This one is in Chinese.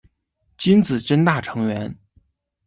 金子真大成员。